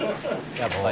やっぱり。